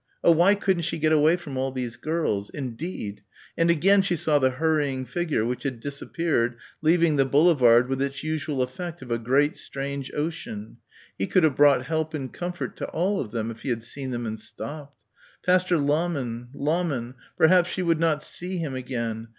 Oh, why couldn't she get away from all these girls? ... indeed and again she saw the hurrying figure which had disappeared leaving the boulevard with its usual effect of a great strange ocean he could have brought help and comfort to all of them if he had seen them and stopped. Pastor Lahmann Lahmann perhaps she would not see him again.